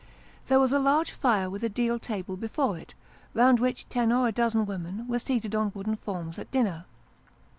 There was a large fire with a deal table before it, round which ten or a dozen women were seated on wooden forms at dinner.